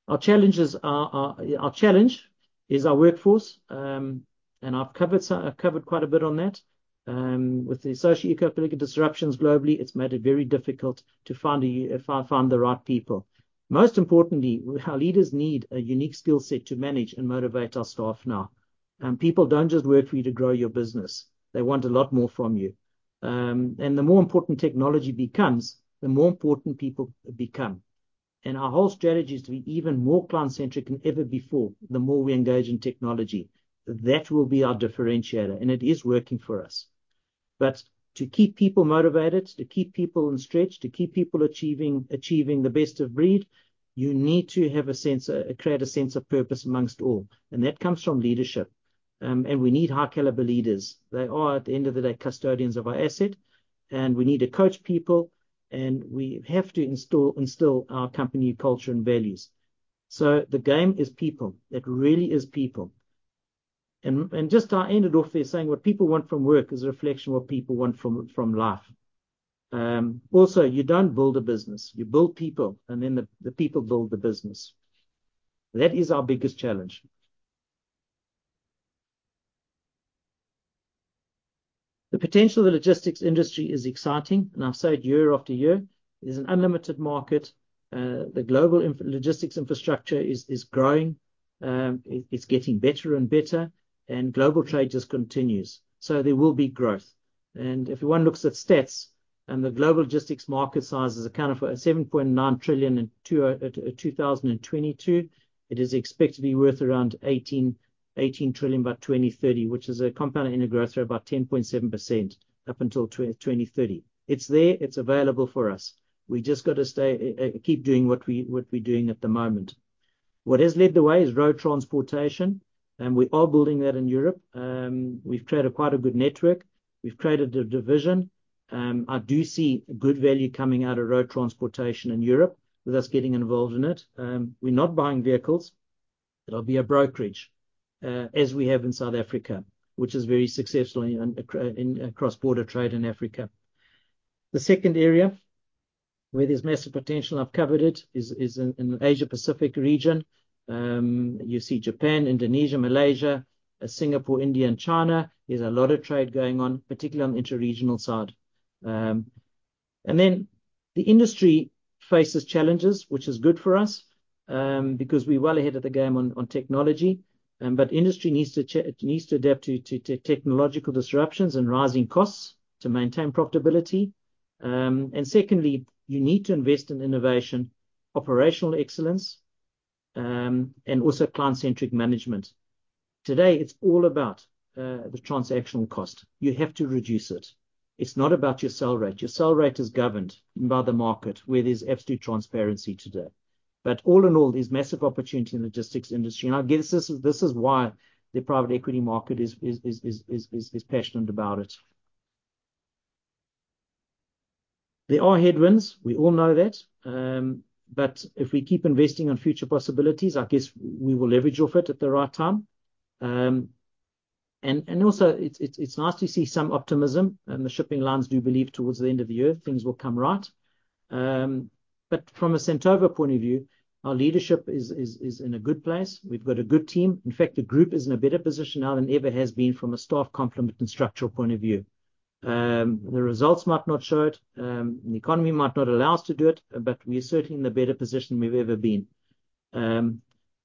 Our challenges are, our challenge is our workforce. And I've covered quite a bit on that. With the socio-economic disruptions globally, it's made it very difficult to find the right people. Most importantly, our leaders need a unique skill set to manage and motivate our staff now. And people don't just work for you to grow your business. They want a lot more from you. And the more important technology becomes, the more important people become. And our whole strategy is to be even more client-centric than ever before, the more we engage in technology. That will be our differentiator, and it is working for us. But to keep people motivated, to keep people on stretch, to keep people achieving, achieving the best of breed, you need to have a sense, create a sense of purpose among all, and that comes from leadership. And we need high-caliber leaders. They are, at the end of the day, custodians of our asset, and we need to coach people, and we have to instill our company culture and values. So the game is people. It really is people. And just I ended off there saying, what people want from work is a reflection of what people want from life. Also, you don't build a business, you build people, and then the people build the business. That is our biggest challenge. The potential of the logistics industry is exciting, and I've said year after year, it is an unlimited market. The global logistics infrastructure is growing. It's getting better and better, and global trade just continues. So there will be growth. And if one looks at stats, the global logistics market size is accounted for at $7.9 trillion in 2022. It is expected to be worth around $18 trillion by 2030, which is a compound annual growth rate of about 10.7% up until 2030. It's there; it's available for us. We just got to stay, keep doing what we, what we're doing at the moment. What has led the way is road transportation, and we are building that in Europe. And we've created quite a good network. We've created a division. I do see good value coming out of road transportation in Europe, with us getting involved in it. And we're not buying vehicles. It'll be a brokerage, as we have in South Africa, which is very successful in, in cross-border trade in Africa. The second area where there's massive potential, I've covered it, is, is in, in the Asia-Pacific region. You see Japan, Indonesia, Malaysia, Singapore, India, and China. There's a lot of trade going on, particularly on the interregional side. And then the industry faces challenges, which is good for us, because we're well ahead of the game on technology. But industry needs to adapt to technological disruptions and rising costs to maintain profitability. And secondly, you need to invest in innovation, operational excellence, and also client-centric management. Today, it's all about the transactional cost. You have to reduce it. It's not about your sell rate. Your sell rate is governed by the market, where there's absolute transparency today. But all in all, there's massive opportunity in the logistics industry, and I guess this is why the private equity market is passionate about it. There are headwinds, we all know that. But if we keep investing on future possibilities, I guess we will leverage off it at the right time. And also, it's nice to see some optimism, and the shipping lines do believe towards the end of the year, things will come right. But from a Santova point of view, our leadership is in a good place. We've got a good team. In fact, the group is in a better position now than it ever has been from a staff complement and structural point of view. And the results might not show it, the economy might not allow us to do it, but we are certainly in the better position we've ever been.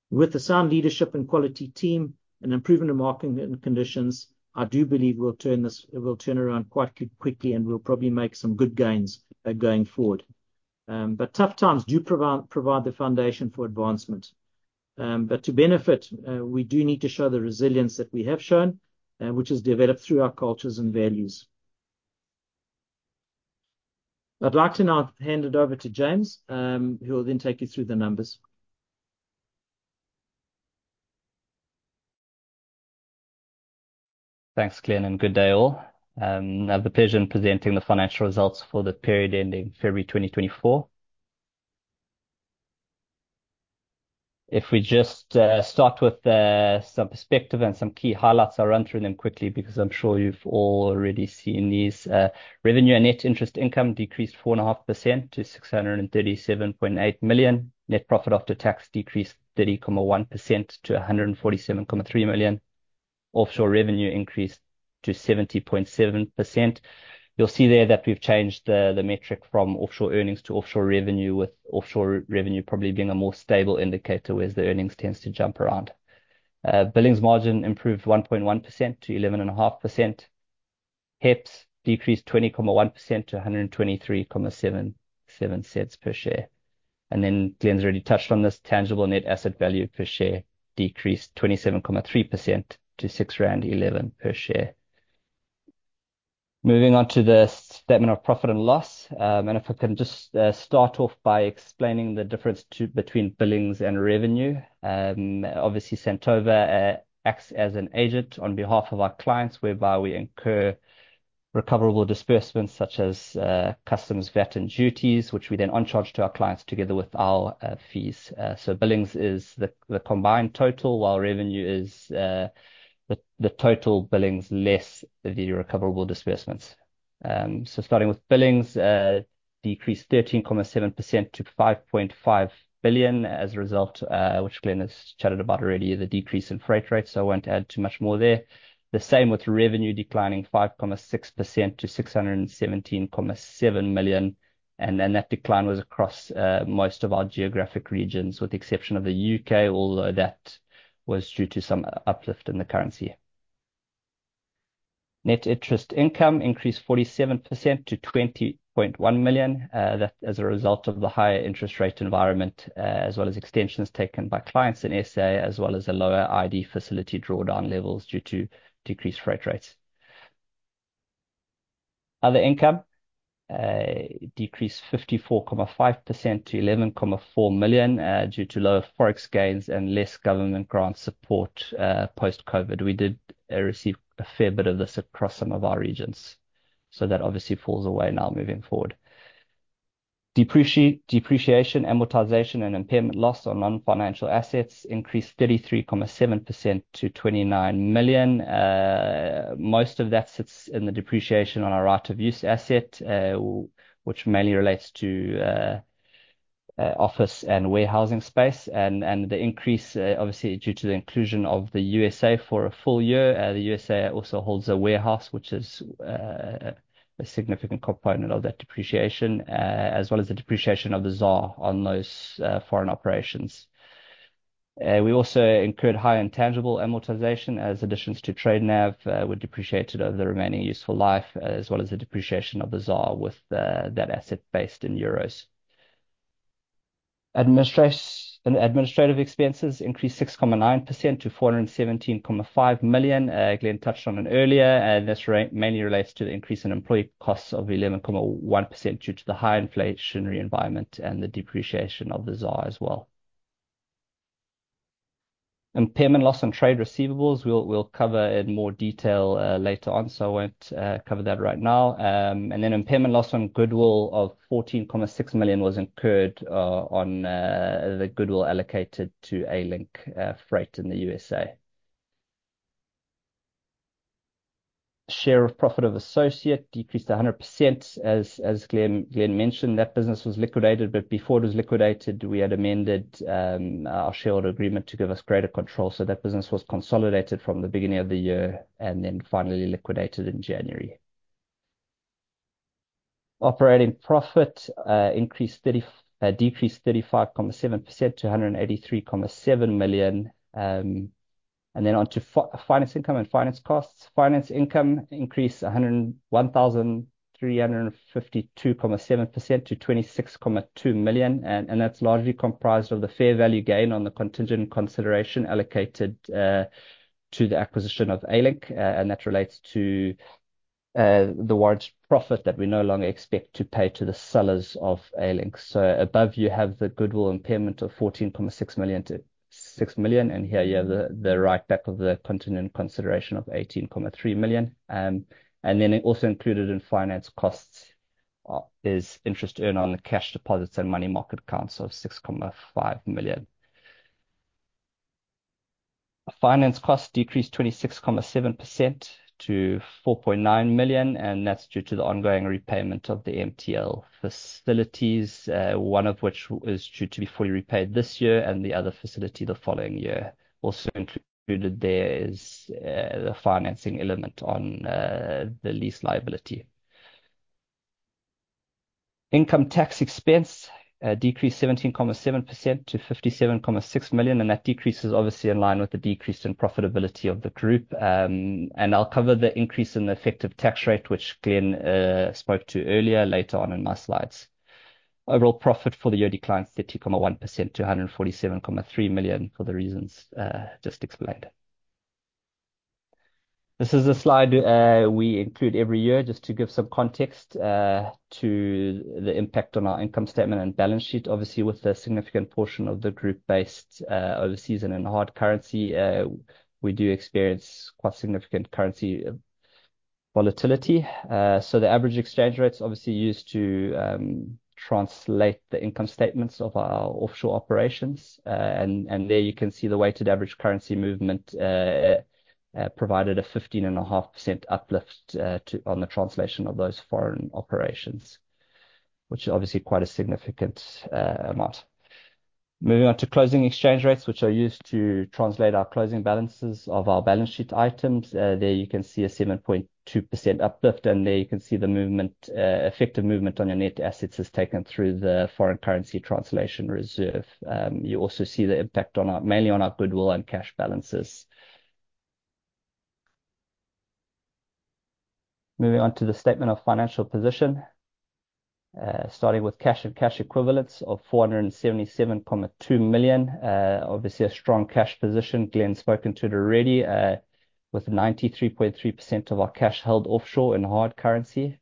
With the sound leadership and quality team, and improvement in market and conditions, I do believe we'll turn this... We'll turn around quite quickly, and we'll probably make some good gains going forward. But tough times do provide the foundation for advancement. But to benefit, we do need to show the resilience that we have shown, which is developed through our cultures and values. I'd like to now hand it over to James, who will then take you through the numbers. Thanks, Glen, and good day all. I have the pleasure in presenting the financial results for the period ending February 2024. If we just start with some perspective and some key highlights, I'll run through them quickly because I'm sure you've all already seen these. Revenue and net interest income decreased 4.5% to 637.8 million. Net profit after tax decreased 30.1% to 147.3 million. Offshore revenue increased to 70.7%. You'll see there that we've changed the metric from offshore earnings to offshore revenue, with offshore revenue probably being a more stable indicator, whereas the earnings tends to jump around. Billings margin improved 1.1% to 11.5%. HEPS decreased 20.1% to 1.2377 per share. Then Glen's already touched on this, Tangible Net Asset Value per share decreased 27.3% to 6.11 per share. Moving on to the statement of profit and loss, and if I can just start off by explaining the difference between billings and revenue. Obviously, Santova acts as an agent on behalf of our clients, whereby we incur recoverable disbursements, such as customs, VAT, and duties, which we then on-charge to our clients together with our fees. So billings is the combined total, while revenue is the total billings less the recoverable disbursements. So starting with billings, decreased 13.7% to 5.5 billion as a result, which Glen has chatted about already, the decrease in freight rates, so I won't add too much more there. The same with revenue declining 5.6% to 617.7 million, and then that decline was across most of our geographic regions, with the exception of the UK, although that was due to some uplift in the currency. Net interest income increased 47% to 20.1 million. That as a result of the higher interest rate environment, as well as extensions taken by clients in SA, as well as the lower ID facility drawdown levels due to decreased freight rates. Other income decreased 54.5% to 11.4 million due to lower Forex gains and less government grant support post-COVID. We did receive a fair bit of this across some of our regions, so that obviously falls away now moving forward. Depreciation, amortization, and impairment loss on non-financial assets increased 33.7% to 29 million. Most of that sits in the depreciation on our right-of-use asset, which mainly relates to office and warehousing space, and the increase obviously due to the inclusion of the USA for a full year. The USA also holds a warehouse, which is a significant component of that depreciation as well as the depreciation of the ZAR on those foreign operations. We also incurred high intangible amortization as additions to TradeNav were depreciated over the remaining useful life, as well as the depreciation of the ZAR with that asset based in euros. Administrative expenses increased 6.9% to 417.5 million. Glen touched on it earlier, and this mainly relates to the increase in employee costs of 11.1% due to the high inflationary environment and the depreciation of the ZAR as well. Impairment loss on trade receivables, we'll cover in more detail later on, so I won't cover that right now. And then impairment loss on goodwill of 14.6 million was incurred on the goodwill allocated to A-Link Freight in the USA. Share of profit of associate decreased 100%. As Glen mentioned, that business was liquidated, but before it was liquidated, we had amended our shareholder agreement to give us greater control. So that business was consolidated from the beginning of the year and then finally liquidated in January. Operating profit decreased 35.7% to 183.7 million. And then on to finance income and finance costs. Finance income increased 101,352.7% to 26.2 million, and that's largely comprised of the fair value gain on the contingent consideration allocated to the acquisition of A-Link. And that relates to the warrant profit that we no longer expect to pay to the sellers of A-Link. So above, you have the goodwill impairment of 14.6 million to 6 million, and here you have the, the write-back of the contingent consideration of 18.3 million. And then it also included in finance costs is interest earned on the cash deposits and money market accounts of 6.5 million. Finance costs decreased 26.7% to 4.9 million, and that's due to the ongoing repayment of the MTL facilities, one of which is due to be fully repaid this year and the other facility the following year. Also included there is the financing element on the lease liability. Income tax expense decreased 17.7% to 57.6 million, and that decrease is obviously in line with the decrease in profitability of the group. And I'll cover the increase in the effective tax rate, which Glen spoke to earlier, later on in my slides. Overall profit for the year declined 30.1% to 147.3 million for the reasons just explained. This is a slide we include every year just to give some context to the impact on our income statement and balance sheet. Obviously, with a significant portion of the group based overseas and in hard currency, we do experience quite significant currency volatility. So the average exchange rate is obviously used to translate the income statements of our offshore operations. And there you can see the weighted average currency movement provided a 15.5% uplift to on the translation of those foreign operations, which is obviously quite a significant amount. Moving on to closing exchange rates, which are used to translate our closing balances of our balance sheet items. There you can see a 7.2% uplift, and there you can see the movement effective movement on your net assets is taken through the foreign currency translation reserve. You also see the impact on our mainly on our goodwill and cash balances. Moving on to the statement of financial position. Starting with cash and cash equivalents of 477.2 million. Obviously a strong cash position. Glen spoken to it already, with 93.3% of our cash held offshore in hard currency.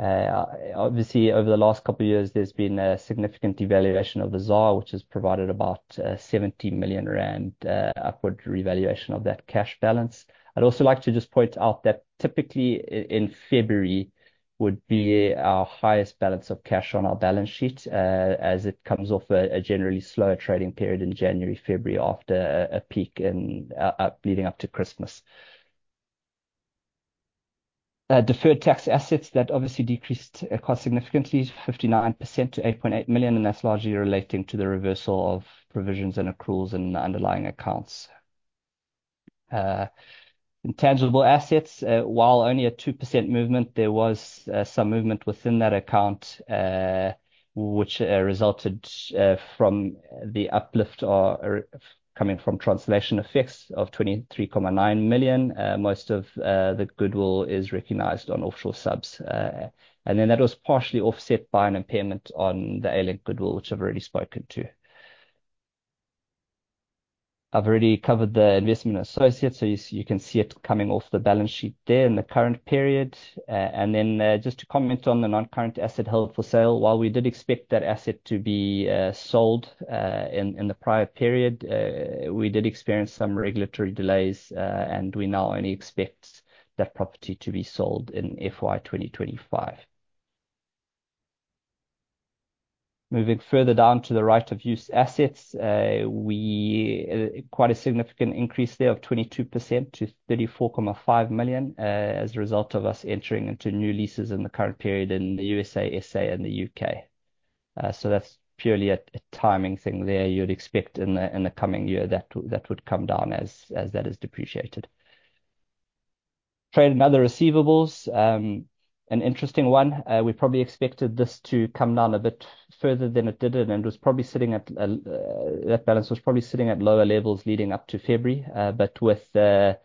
Obviously, over the last couple of years, there's been a significant devaluation of the ZAR, which has provided about 70 million rand upward revaluation of that cash balance. I'd also like to just point out that typically in February would be our highest balance of cash on our balance sheet, as it comes off a generally slower trading period in January, February, after a peak in leading up to Christmas. Deferred tax assets, that obviously decreased quite significantly, 59% to 8.8 million, and that's largely relating to the reversal of provisions and accruals in the underlying accounts. Intangible assets, while only a 2% movement, there was some movement within that account, which resulted from the uplift or coming from translation effects of 23.9 million. Most of the goodwill is recognized on offshore subs. And then that was partially offset by an impairment on the A-Link goodwill, which I've already spoken to. I've already covered the investment associates, so you can see it coming off the balance sheet there in the current period. And then, just to comment on the non-current asset held for sale, while we did expect that asset to be sold in the prior period, we did experience some regulatory delays, and we now only expect that property to be sold in FY 2025. Moving further down to the right-of-use assets, quite a significant increase there of 22% to 34.5 million, as a result of us entering into new leases in the current period in the USA, SA and the U.K. So that's purely a timing thing there. You'd expect in the coming year, that would come down as that is depreciated. Trade and other receivables, an interesting one. We probably expected this to come down a bit further than it did, and it was probably sitting at that balance was probably sitting at lower levels leading up to February. But with the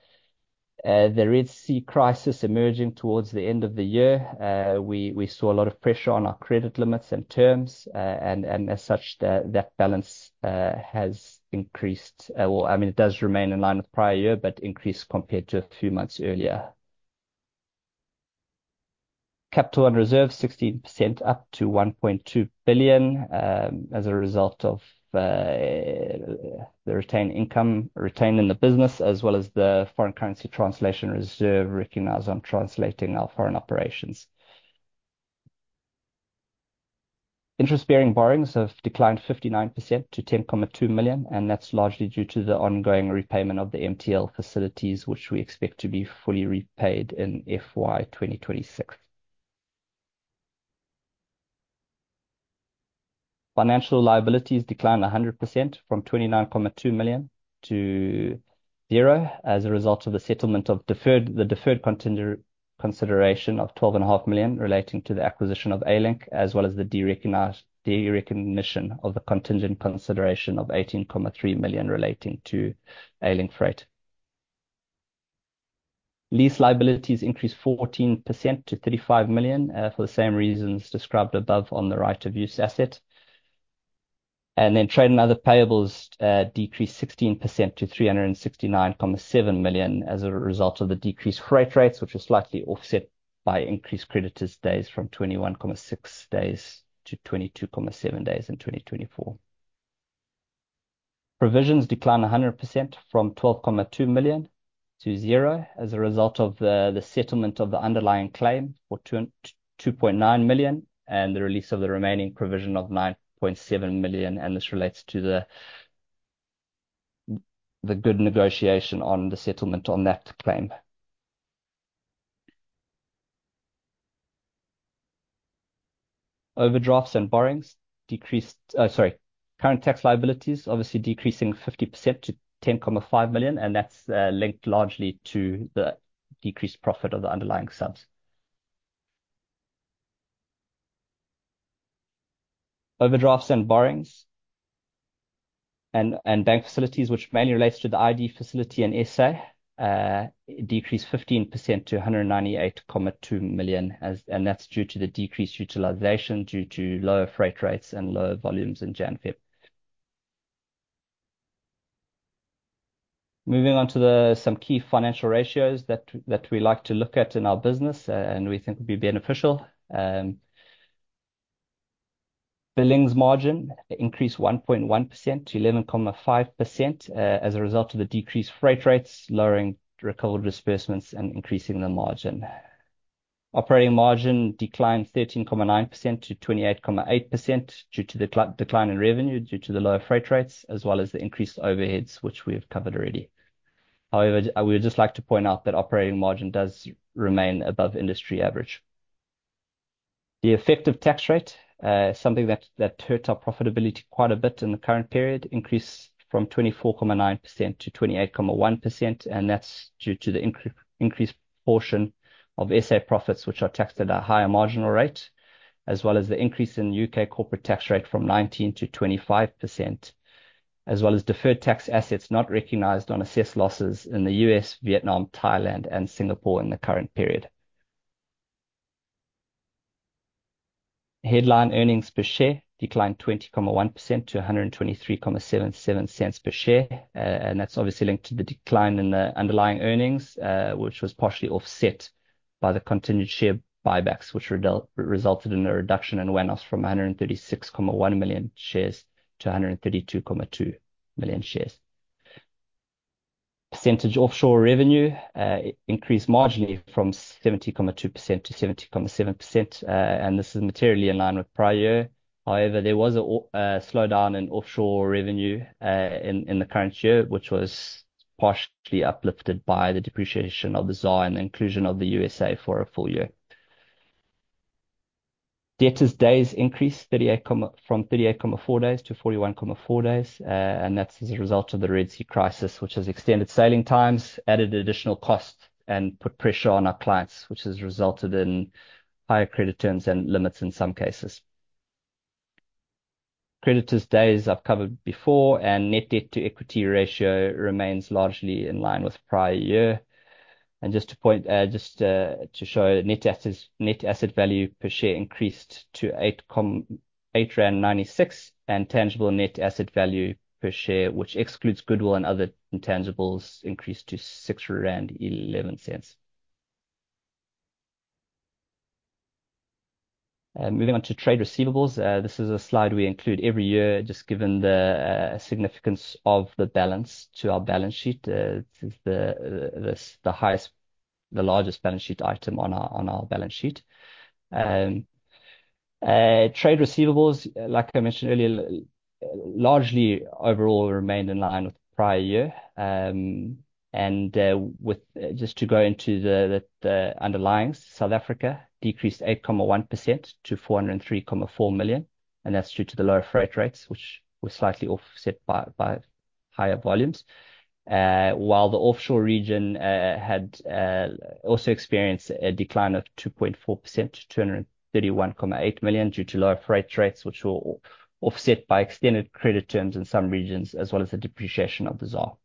Red Sea crisis emerging towards the end of the year, we saw a lot of pressure on our credit limits and terms. And as such, that balance has increased. Well, I mean, it does remain in line with prior year, but increased compared to a few months earlier. Capital and reserves, 16% up to 1.2 billion, as a result of the retained income retained in the business, as well as the foreign currency translation reserve recognized on translating our foreign operations. Interest-bearing borrowings have declined 59% to 10.2 million, and that's largely due to the ongoing repayment of the MTL facilities, which we expect to be fully repaid in FY 2026. Financial liabilities declined 100% from 29.2 million to zero as a result of the settlement of deferred, the deferred contingent consideration of 12.5 million relating to the acquisition of A-Link, as well as the de-recognition of the contingent consideration of 18.3 million relating to A-Link Freight. Lease liabilities increased 14% to 35 million, for the same reasons described above on the right of use asset. And then trade and other payables decreased 16% to 369.7 million as a result of the decreased freight rates, which was slightly offset by increased creditors' days from 21.6 days to 22.7 days in 2024. Provisions declined 100% from 12.2 million to zero as a result of the settlement of the underlying claim for 2.9 million, and the release of the remaining provision of 9.7 million, and this relates to the good negotiation on the settlement on that claim. Overdrafts and borrowings decreased, oh sorry. Current tax liabilities obviously decreasing 50% to 10.5 million, and that's linked largely to the decreased profit of the underlying subs. Overdrafts and borrowings and bank facilities, which mainly relates to the ID facility in SA, decreased 15% to 198.2 million, and and that's due to the decreased utilization due to lower freight rates and lower volumes in Jan-Feb. Moving on to some key financial ratios that that we like to look at in our business, and we think would be beneficial. Billings margin increased 1.1% to 11.5%, as a result of the decreased freight rates, lowering recovered disbursements and increasing the margin. Operating margin declined 13.9% to 28.8% due to the decline, decline in revenue, due to the lower freight rates, as well as the increased overheads, which we have covered already. However, I would just like to point out that operating margin does remain above industry average. The effective tax rate, something that hurt our profitability quite a bit in the current period, increased from 24.9% to 28.1%, and that's due to the increased portion of SA profits, which are taxed at a higher marginal rate, as well as the increase in U.K. corporate tax rate from 19% to 25%, as well as deferred tax assets not recognized on assessed losses in the U.S., Vietnam, Thailand, and Singapore in the current period. Headline earnings per share declined 20.1% to 1.2377 per share. And that's obviously linked to the decline in the underlying earnings, which was partially offset by the continued share buybacks, which result, resulted in a reduction in weighted average shares from 136.1 million shares to 132.2 million shares. Offshore revenue percentage increased marginally from 72% to 77%. And this is materially in line with prior year. However, there was a slowdown in offshore revenue in in the current year, which was partially uplifted by the depreciation of the ZAR and the inclusion of the USA for a full year. Debtors' days increased from 38.4 days to 41.4 days. And that's as a result of the Red Sea crisis, which has extended sailing times, added additional cost, and put pressure on our clients, which has resulted in higher credit terms and limits in some cases. Creditors' days I've covered before, and net debt-to-equity ratio remains largely in line with prior year. And just to point, just to show net assets, net asset value per share increased to 8.96 rand, and tangible net asset value per share, which excludes goodwill and other intangibles, increased to 6.11 rand. Moving on to trade receivables. This is a slide we include every year, just given the significance of the balance to our balance sheet. This is the highest, the largest balance sheet item on our, on our balance sheet. Trade receivables, like I mentioned earlier, largely overall remained in line with the prior year. And and with just to go into the underlyings, South Africa decreased 8.1% to 403.4 million, and that's due to the lower freight rates, which were slightly offset by higher volumes. While the offshore region had also experienced a decline of 2.4% to 231.8 million due to lower freight rates, which were offset by extended credit terms in some regions, as well as the depreciation of the ZAR.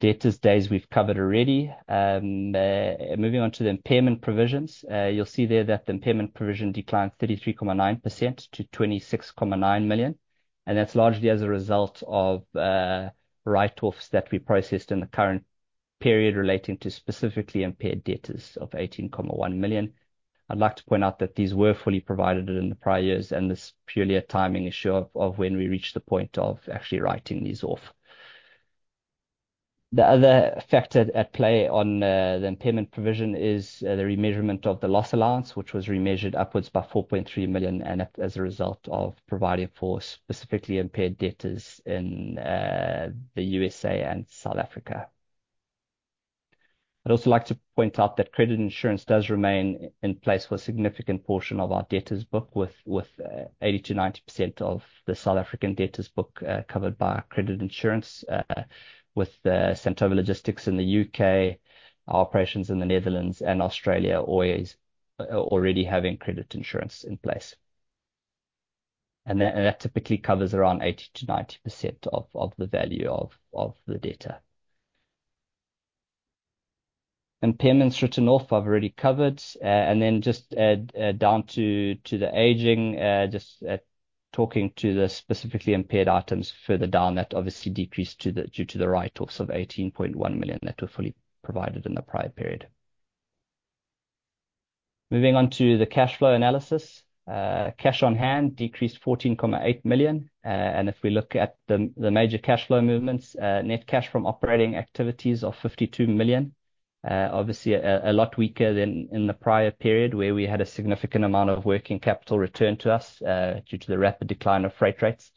Debtors' days we've covered already. And moving on to the impairment provisions. You'll see there that the impairment provision declined 33.9% to 26.9 million, and that's largely as a result of write-offs that we processed in the current period relating to specifically impaired debtors of 18.1 million. I'd like to point out that these were fully provided in the prior years, and this is purely a timing issue of when we reached the point of actually writing these off. The other factor at play on the impairment provision is the remeasurement of the loss allowance, which was remeasured upwards by 4.3 million, and as a result of providing for specifically impaired debtors in the USA and South Africa. I'd also like to point out that credit insurance does remain in place for a significant portion of our debtors' book, with 80%-90% of the South African debtors book covered by credit insurance, with Santova Logistics in the U.K., our operations in the Netherlands and Australia always already having credit insurance in place. And that typically covers around 80%-90% of of the value of the debtor. Impairments written off, I've already covered. And then just down to to the aging, just talking to the specifically impaired items further down, that obviously decreased due to the write-offs of 18.1 million that were fully provided in the prior period. Moving on to the cash flow analysis. Cash on hand decreased 14.8 million. And if we look at the major cash flow movements, net cash from operating activities of 52 million. Obviously, a lot weaker than in the prior period, where we had a significant amount of working capital returned to us due to the rapid decline of freight rates.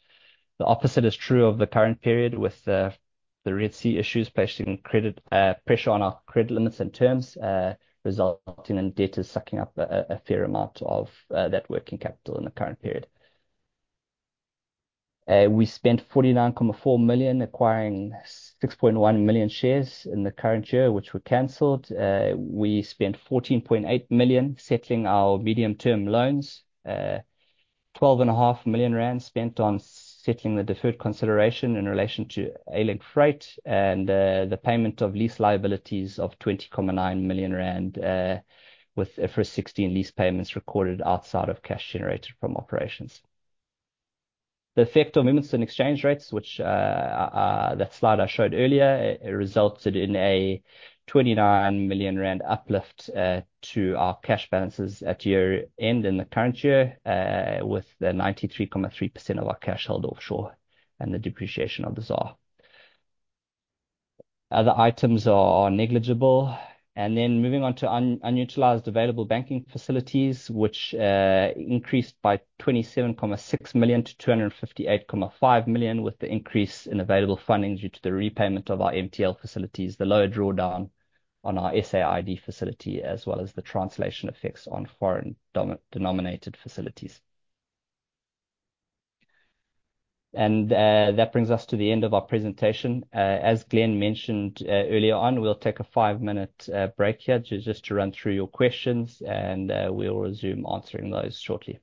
The opposite is true of the current period, with the Red Sea issues placing credit pressure on our credit limits and terms, resulting in debtors sucking up a fair amount of that working capital in the current period. We spent 49.4 million acquiring 6.1 million shares in the current year, which were canceled. We spent 14.8 million settling our medium-term loans. Twelve and a half million rand spent on settling the deferred consideration in relation to A-Link Freight, and the payment of lease liabilities of twenty-nine million rand, with IFRS 16 lease payments recorded outside of cash generated from operations. The effect of movements in exchange rates, which that slide I showed earlier, it resulted in a twenty-nine million rand uplift to our cash balances at year-end in the current year, with the 93.3% of our cash held offshore and the depreciation of the ZAR. Other items are negligible. And then moving on to unutilized available banking facilities, which increased by 27.6 million to 258.5 million, with the increase in available funding due to the repayment of our MTL facilities, the lower drawdown on our SA ID facility, as well as the translation effects on foreign denominated facilities. And that brings us to the end of our presentation. As Glen mentioned earlier on, we'll take a 5-minute break here just to run through your questions, and we'll resume answering those shortly.